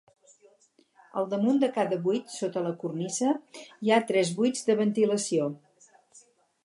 Al damunt de cada buit, sota la cornisa, hi ha tres vuits de ventilació.